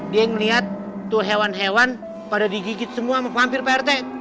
dia ngeliat tuh hewan hewan pada digigit semua sama pampir pak rt